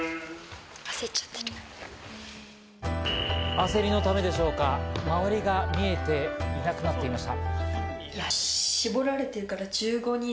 焦りのためでしょうか、周りが見えていなくなっていました。